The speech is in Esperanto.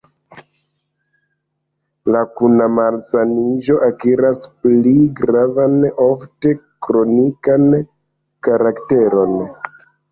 La kuna malsaniĝo akiras pli gravan, ofte kronikan karakteron.